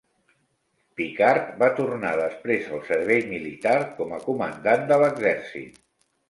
Picquart va tornar després al servei militar com a comandant de l"exèrcit.